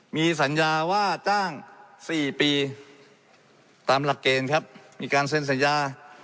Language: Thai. มีสัญญาว่าจ้าง๔ปีตามหลักเกณฑ์ครับมีการเซ็นสัญญา